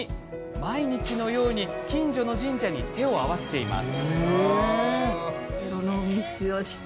毎日のように近所の神社に手を合わせています。